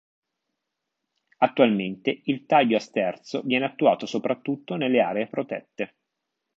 Attualmente il taglio a sterzo viene attuato soprattutto nelle aree protette.